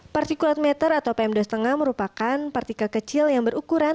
partikulat meter atau pm dua lima merupakan partikel kecil yang berukuran